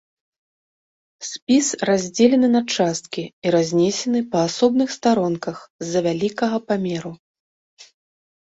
Спіс раздзелены на часткі і разнесены па асобных старонках з-за вялікага памеру.